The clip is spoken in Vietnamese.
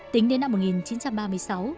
tính đến năm một nghìn chín trăm ba mươi sáu